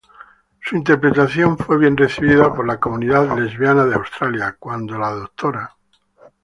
Su interpretación fue bien recibida por la comunidad lesbiana de Australia, cuando la Dra.